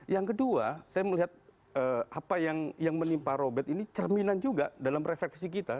yang kedua saya melihat apa yang menimpa robert ini cerminan juga dalam refleksi kita